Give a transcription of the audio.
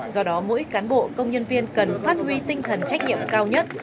do đó mỗi cán bộ công nhân viên cần phát huy tinh thần trách nhiệm cao nhất